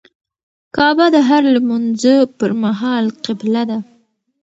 کعبه د هر لمونځه پر مهال قبله ده.